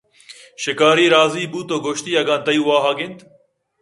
شکاری راضی بُوت ءُ گوٛشتے اگاں تئی واہگ اِنت